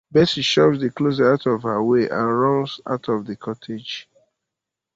Bessy shoves the closest out of her way and runs out of the cottage.